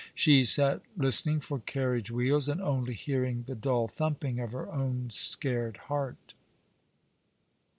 She sat listening for carriage wheels, and only hearing the dull thumping of her own scared heart.